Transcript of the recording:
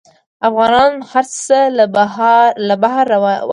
افغانان هر څه له بهر واردوي.